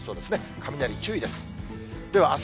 雷注意です。